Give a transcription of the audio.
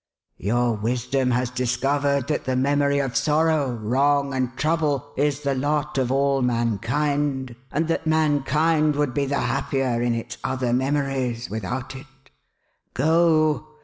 Your wisdom has discovered that the memory of sorrow, wrong, and trouble is the lot of all mankind, and that mankind would be the happier, in its other memories, without it. Go